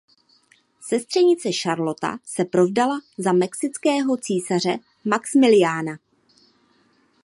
Sestřenice Charlotta se provdala za mexického císaře Maxmiliána.